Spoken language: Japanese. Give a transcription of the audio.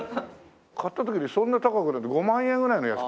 買った時にそんな高くない５万円ぐらいのやつかな。